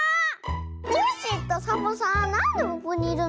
コッシーとサボさんなんでここにいるの？